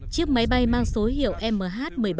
chiếc máy bay mang số hiệu mh một mươi bảy